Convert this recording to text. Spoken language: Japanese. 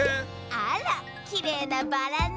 あらきれいなバラね！